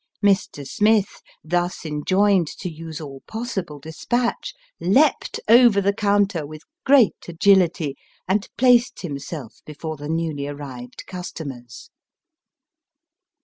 Mr. Smith, thus enjoined to use all possible despatch, leaped over the counter with great agility, and placed himself before the newly arrived customers.